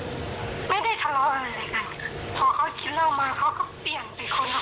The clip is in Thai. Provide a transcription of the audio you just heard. ไม่ได้ทะเลาะอะไรเลยค่ะพอเขาทิ้งเล่ามาเขาก็เปลี่ยนไปคนละคนเลยค่ะ